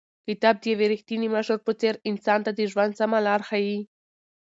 کتاب د یو رښتیني مشر په څېر انسان ته د ژوند سمه لار ښیي.